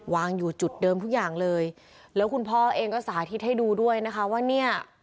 วางอยู่จุดเดิมทุกอย่างเลยแล้วคุณพ่อเองก็สาธิตให้ดูด้วยนะคะว่าเนี่ย